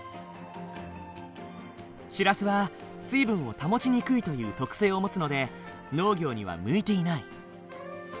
シラスは水分を保ちにくいという特性を持つので農業には向いていない。